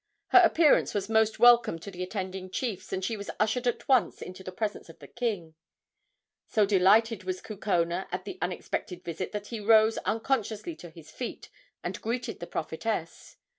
Her appearance was most welcome to the attending chiefs, and she was ushered at once into the presence of the king. So delighted was Kukona at the unexpected visit that he rose unconsciously to his feet and greeted the prophetess.